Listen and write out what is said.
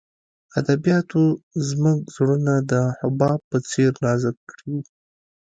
ادبیاتو زموږ زړونه د حباب په څېر نازک کړي وو